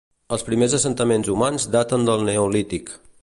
Els primers assentaments humans daten del neolític.